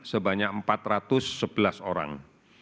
sebanyak empat ratus sebelas orang